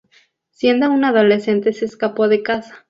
Siendo un adolescente se escapó de casa.